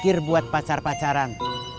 bikir buat pacar pacaran